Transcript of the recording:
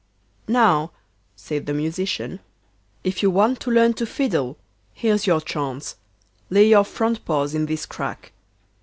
'Now,' said the Musician, 'if you want to learn to fiddle, here's your chance. Lay your front paws in this crack.